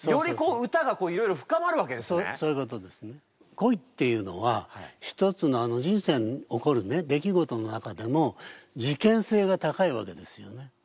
恋っていうのは一つの人生に起こる出来事の中でも事件性が高いわけですよね。